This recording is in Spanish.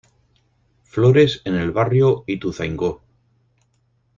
Flores en el Barrio Ituzaingó.